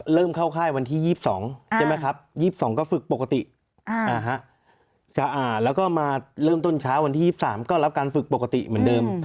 เริ่มเข้าค่ายวันที่๒๒ใช่ไหมครับ๒๒ก็ฝึกปกติสะอาดแล้วก็มาเริ่มต้นเช้าวันที่๒๓ก็รับการฝึกปกติเหมือนเดิม